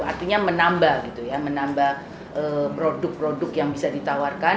artinya menambah gitu ya menambah produk produk yang bisa ditawarkan